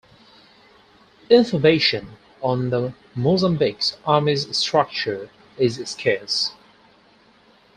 Information on the Mozambique Army's structure is scarce.